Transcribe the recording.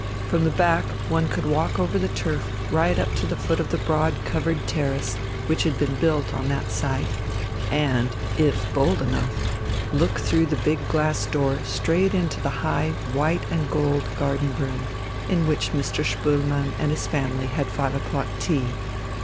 From the back one could walk over the turf right up to the foot of the broad covered terrace which had been built on that side, and, if bold enough, look through the big glass door straight into the high white and gold garden room in which Mr. Spoelmann and his family had five o'clock tea.